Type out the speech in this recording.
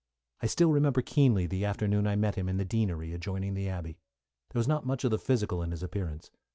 I still remember keenly the afternoon I met him in the Deanery adjoining the abbey. There was not much of the physical in his appearance.